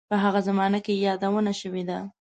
په هغه زمانه کې یې یادونه شوې ده.